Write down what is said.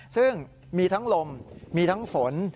ซึ่งมีทั้งลมมีทั้งฝน